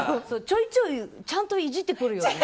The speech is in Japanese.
ちょいちょいちゃんとイジってくるよね。